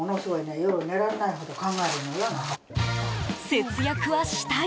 節約はしたい。